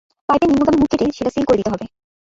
পাইপের নিম্নগামী মুখ কেটে সেটা সিল করে দিতে হবে।